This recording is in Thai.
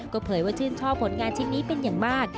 เผยว่าชื่นชอบผลงานชิ้นนี้เป็นอย่างมาก